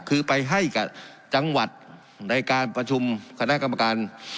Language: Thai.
คือไปให้กับจังหวัดในการประชุมคณะกรรมการ